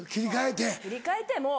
切り替えてもう。